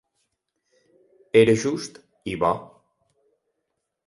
Era just i bo.